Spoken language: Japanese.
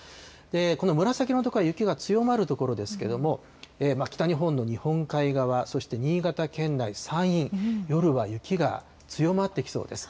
この紫の所は雪は強まる所ですけれども、北日本の日本海側、そして新潟県内、山陰、夜は雪が強まってきそうです。